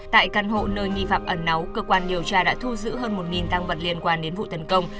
tại căn hộ nơi nghi phạm ẩn náu cơ quan điều tra đã thu giữ hơn một tăng vật liên quan đến vụ tấn công